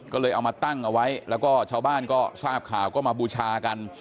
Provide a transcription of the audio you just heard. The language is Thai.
ก็เลยเอามาตั้งเอาไว้แล้วก็ชาวบ้านก็ทราบข่าวก็มาบูชากัน